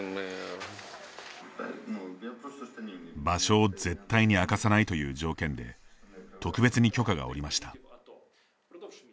場所を絶対に明かさないという条件で、特別に許可が下りました。